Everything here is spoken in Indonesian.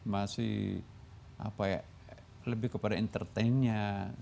masih lebih kepada entertain nya